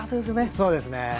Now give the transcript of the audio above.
そうですね。